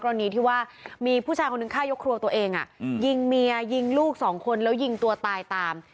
รณีที่ว่ามีผู้ชายคนหนึ่งฆ่ายกครัวตัวเองยิงเมียยิงลูกสองคนแล้วยิงตัวตายตาม